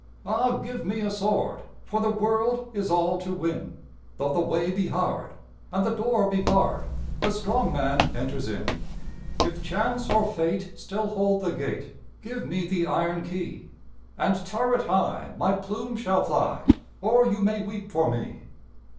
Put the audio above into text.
Ah, give me a sword! For the world is all to win. Though the way be hard and the door be barred, The strong man enters in. If Chance or Fate still hold the gate, Give me the iron key, And turret high, my plume shall fly, Or you may weep for me!